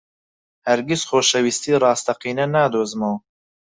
هەرگیز خۆشەویستیی ڕاستەقینە نادۆزمەوە.